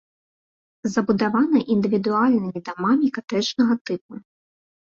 Забудавана індывідуальнымі дамамі катэджнага тыпу.